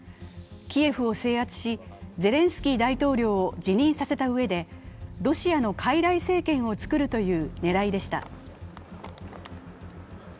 キエフを制圧し、ゼレンスキー大統領を辞任させたうえで、ロシアのかいらい政権を作るという狙いでした。